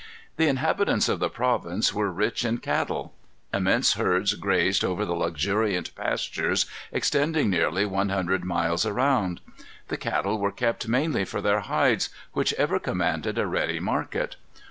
The inhabitants of the province were rich in cattle. Immense herds grazed over the luxuriant pastures, extending nearly one hundred miles around. The cattle were kept mainly for their hides, which ever commanded a ready market.